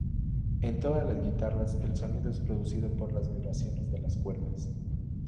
En todas las guitarras el sonido es producido por la vibración de las cuerdas.